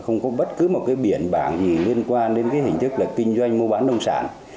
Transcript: không có bất cứ biển bảng gì liên quan đến hình thức kinh doanh mua bán nông sản